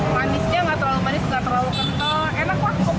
manisnya nggak terlalu manis nggak terlalu kental